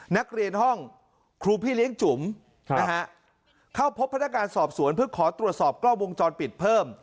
นักเรียนห้องครูพี่เลี้ยงจุ๋มนะฮะเข้าพบพนักงานสอบสวนเพื่อขอตรวจสอบกล้องวงจรปิดเพิ่ม